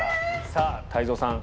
さぁ泰造さん